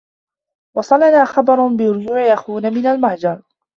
وصلنا خبر بارجوع آخونا من المهجر.